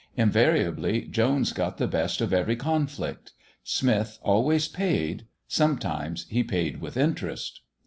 Invariably Jones got the best of every conflict. Smith always paid; sometimes he paid with interest.